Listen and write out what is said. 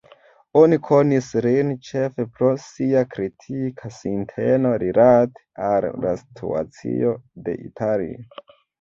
Oni konis lin ĉefe pro sia kritika sinteno rilate al la situacio de Italio.